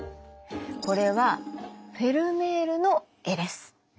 これはフェルメールの絵です。